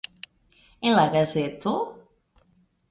En la gazeto?